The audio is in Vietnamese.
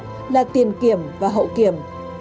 đầu tiên là tiền kiểm và hậu kiểm